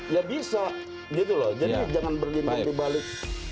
ya bisa jadi jangan berdiri diri balik